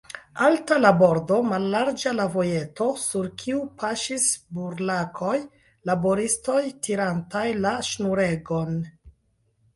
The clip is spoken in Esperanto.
Alta la bordo, mallarĝa la vojeto, sur kiu paŝis burlakoj, laboristoj, tirantaj la ŝnuregon.